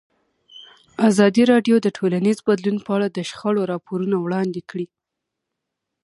ازادي راډیو د ټولنیز بدلون په اړه د شخړو راپورونه وړاندې کړي.